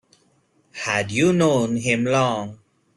Had you known him long?